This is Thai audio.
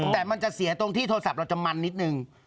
แต่มันจะเสียตรงที่โทรศัพท์เราจะมันนิดนึง